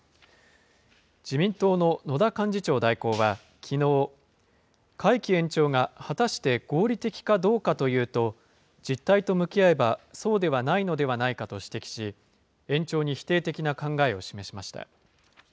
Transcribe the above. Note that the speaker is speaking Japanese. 自民党の野田幹事長代行はきのう、会期延長が果たして合理的かどうかというと、実態と向き合えばそうではないのではないかと指摘し、延長に否定的な考えを示しました。